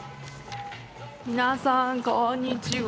皆さん、こんにちは。